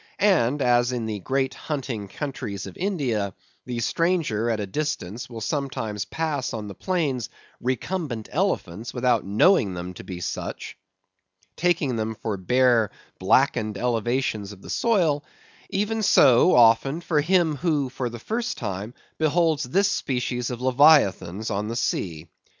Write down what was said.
And as in the great hunting countries of India, the stranger at a distance will sometimes pass on the plains recumbent elephants without knowing them to be such, taking them for bare, blackened elevations of the soil; even so, often, with him, who for the first time beholds this species of the leviathans of the sea.